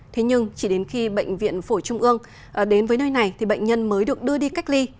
thế nhưng chỉ đến khi bệnh viện phổi trung ương đến với nơi này thì bệnh nhân mới được đưa đi cách ly